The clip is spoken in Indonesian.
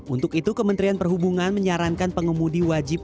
untuk itu kementerian perhubungan menyarankan pengemudi wajib